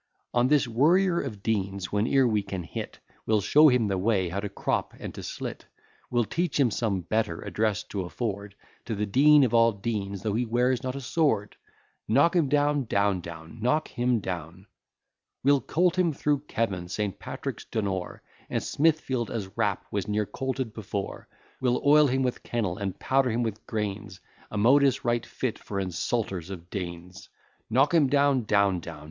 On this worrier of deans whene'er we can hit, We'll show him the way how to crop and to slit; We'll teach him some better address to afford To the dean of all deans, though he wears not a sword. Knock him down, etc. We'll colt him through Kevan, St. Patrick's, Donore, And Smithfield, as rap was ne'er colted before; We'll oil him with kennel, and powder him with grains, A modus right fit for insulters of deans. Knock him down, etc.